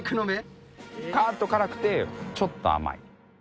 カーッと辛くてちょっと甘い。